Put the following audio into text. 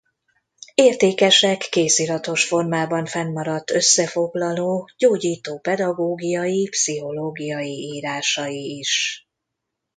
Értékesek kéziratos formában fennmaradt összefoglaló gyógyító pedagógiai-pszichológiai írásai is.